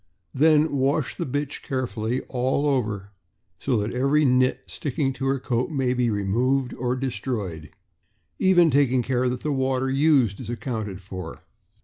Then wash the bitch carefully all over, so that every "nit" sticking to her coat may be removed or destroyed; even taking care that the water used is accounted for.